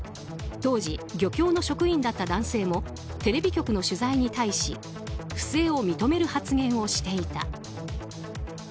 当時漁協の職員だった男性もテレビ局の取材に対し不正を認める発言をしていた。